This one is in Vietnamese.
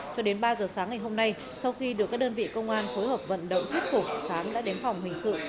cho đến ba giờ sáng ngày hôm nay sau khi được các đơn vị công an phối hợp vận động tiếp tục sáng đã đến phòng hình sự